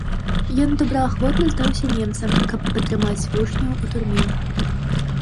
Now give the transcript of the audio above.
Ён добраахвотна здаўся немцам, каб падтрымаць вучняў у турме.